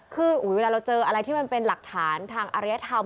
คือเวลาเราเจออะไรที่มันเป็นหลักฐานทางอริยธรรม